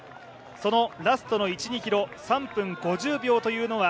そのラストの１２ｋｍ、３分５０秒というのは